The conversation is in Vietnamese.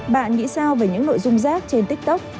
bạn nghĩ sao về những nội dung rác trên tiktok